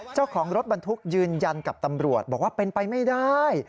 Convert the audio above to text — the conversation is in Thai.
เจ้าของรถบรรทุกยืนยันกับตำรวจบอกว่าเป็นไปไม่ได้